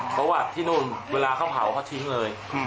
เอ่อเพราะว่าที่นู่นเวลาเค้าเผ่าเค้าชิงเลย